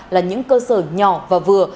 là những cơ sở nhỏ và vừa